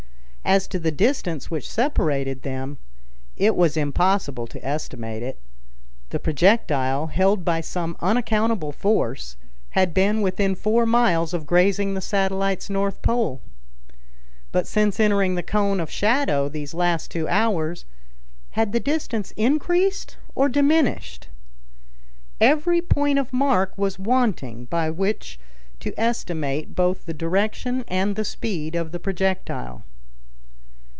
As to the distance which separated them, it was impossible to estimate it. The projectile, held by some unaccountable force, had been within four miles of grazing the satellite's north pole. But since entering the cone of shadow these last two hours, had the distance increased or diminished? Every point of mark was wanting by which to estimate both the direction and the speed of the projectile.